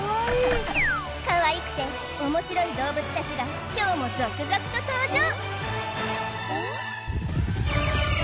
かわいくて面白い動物たちが今日も続々と登場